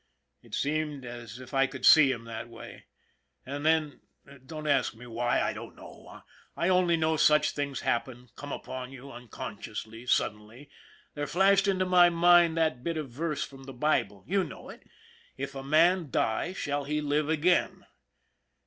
It seemed as if I could see him that way. And then, don't ask me why, I don't know, I only know such things happen, come upon you unconsciously, suddenly, there flashed into my mind that bit of verse from the Bible, you know it " if a man die, shall he live again